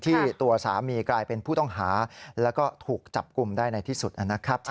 ตัวสามีกลายเป็นผู้ต้องหาแล้วก็ถูกจับกลุ่มได้ในที่สุดนะครับ